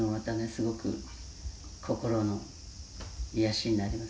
すごく心の癒やしになります」